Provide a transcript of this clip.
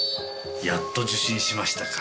やっと受信しましたか。